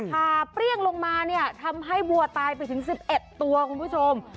ผ่าเปรี้ยงลงมาเนี่ยทำให้วัวตายไปถึง๑๑ตัวคุณผู้ชม